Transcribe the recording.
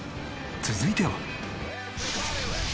続いては。